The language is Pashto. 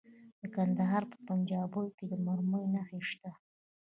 د کندهار په پنجوايي کې د مرمرو نښې شته.